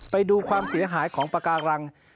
ไปดูความเสียหายของปากการัง